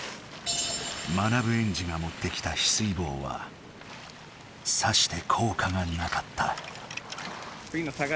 まなぶエンジが持ってきたヒスイ棒はさしてこうかがなかった。